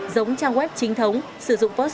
giống trang web chính thống